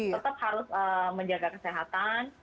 tetap harus menjaga kesehatan